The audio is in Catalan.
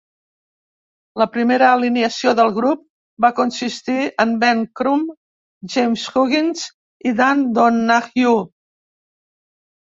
La primera alineació del grup va consistir en Ben Crum, James Huggins i Dan Donahue.